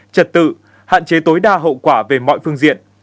trật tự hạn chế tối đa hậu quả về mọi phương diện